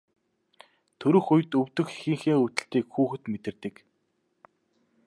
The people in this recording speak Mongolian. Төрөх үед өвдөх эхийнхээ өвдөлтийг хүүхэд мэдэрдэг.